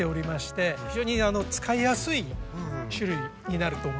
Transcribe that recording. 非常に使いやすい種類になると思います。